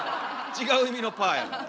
違う意味の「パー」やから。